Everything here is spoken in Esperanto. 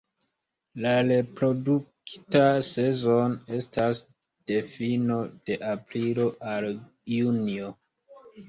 La reprodukta sezono estas de fino de aprilo al junio.